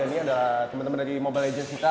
dan ini ada teman teman dari mobile legends kita